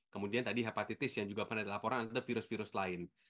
kemudian tadi hepatitis yang juga pernah dilaporkan ada virus virus lain